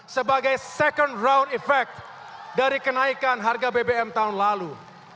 sebagai second round effect dari kenaikan harga bbm tahun lalu